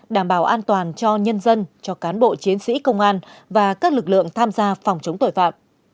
đảm bảo an toàn cho nhân dân cho cán bộ chiến sĩ công an và các lực lượng tham gia phòng chống tội phạm